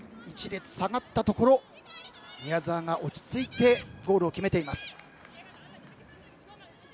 １列下がったところ宮澤が落ち着いてゴールを決めています。